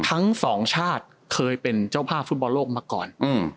ทั้งสองชาติเคยเป็นเจ้าภาพฟุตบอลโลกมาก่อน